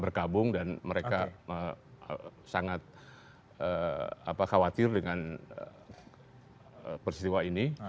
bergabung dan mereka sangat khawatir dengan peristiwa ini